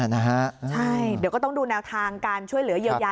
ใช่เดี๋ยวก็ต้องดูแนวทางการช่วยเหลือเยียวยา